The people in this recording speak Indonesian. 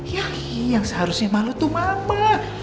ya yang seharusnya malu tuh mama